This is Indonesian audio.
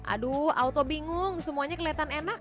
aduh auto bingung semuanya kelihatan enak